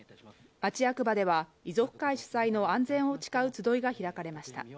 町役場では、遺族会主催の安全を誓う集いが開かれました。